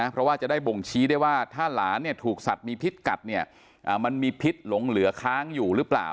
เพราะว่าจะได้บ่งชี้ได้ว่าถ้าหลานถูกสัตว์มีพิษกัดเนี่ยมันมีพิษหลงเหลือค้างอยู่หรือเปล่า